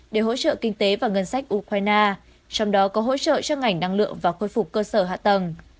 để hỗ trợ kinh tế và ngân sách ukraine trong đó có hỗ trợ cho ngành năng lượng và khôi phục cơ sở hạ tầng